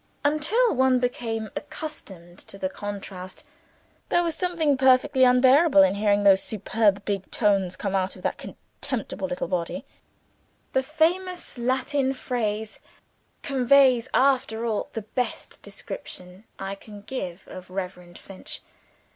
Until one became accustomed to the contrast, there was something perfectly unbearable in hearing those superb big tones come out of that contemptible little body. The famous Latin phrase conveys, after all, the best description I can give of Reverend Finch.